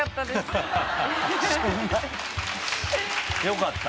よかった。